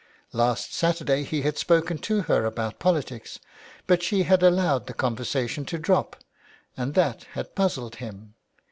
Last Saturday he had spoken to her about 347 THE WILD GOOSE. politics, but she had allowed the conversation to drop, and that had puzzled him.